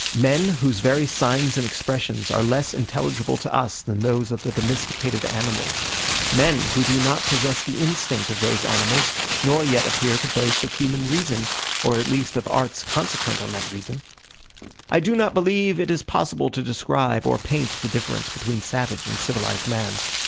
men, whose very signs and expressions are less intelligible to us than those of the domesticated animals; men, who do not possess the instinct of those animals, nor yet appear to boast of human reason, or at least of arts consequent on that reason. I do not believe it is possible to describe or paint the difference between savage and civilized man.